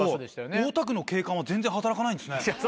大田区の警官は全然働かないんですね。